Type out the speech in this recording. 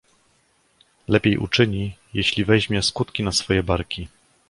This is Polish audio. Lepiej uczyni, jeśli weźmie skutki na swoje barki.